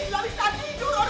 lari tadi duduk dong